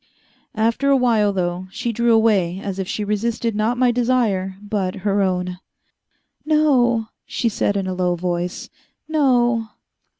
After a while, though, she drew away as if she resisted not my desire, but her own. "No " she said in a low voice, "no...."